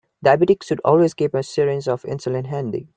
Diabetics should always keep a syringe of insulin handy.